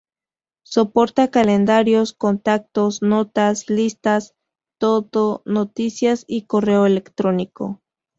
Soporta calendarios, contactos, notas, listas to-do, noticias, y correo electrónico.